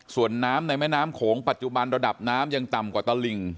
ส่วนน้ำในแม่น้ำโขงปัจจุบันระดับน้ำยังต่ำกว่าตลิ่ง